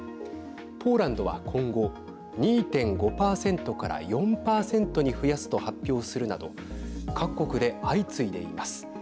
ポーランドは今後、２．５％から４％に増やすと発表するなど各国で相次いでいます。